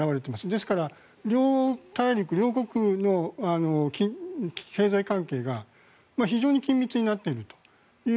ですから両大陸、両国の経済関係が非常に緊密になっているという。